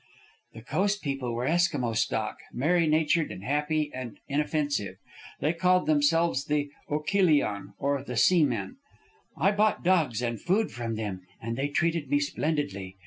"The coast people were Esquimo stock, merry natured and happy, and inoffensive. They called themselves the Oukilion, or the Sea Men. I bought dogs and food from them, and they treated me splendidly.